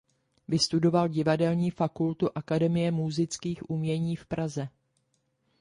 Vystudoval Divadelní fakultu Akademie múzických umění v Praze.